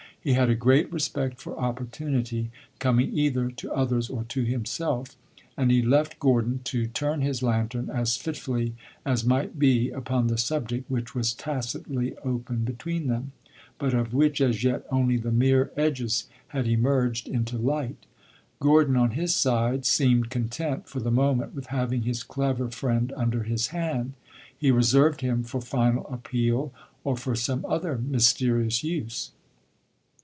He had a great respect for opportunity, coming either to others or to himself, and he left Gordon to turn his lantern as fitfully as might be upon the subject which was tacitly open between them, but of which as yet only the mere edges had emerged into light. Gordon, on his side, seemed content for the moment with having his clever friend under his hand; he reserved him for final appeal or for some other mysterious use.